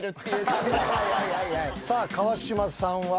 さあ川島さんは。